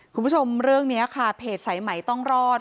คุณผู้ชมเรื่องนี้ค่ะเพจสายใหม่ต้องรอด